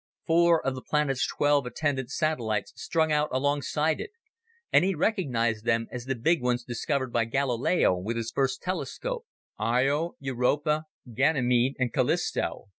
Four of the planet's twelve attendant satellites strung out alongside it, and he recognized them as the big ones discovered by Galileo with his first telescope: Io, Europa, Ganymede, and Callisto.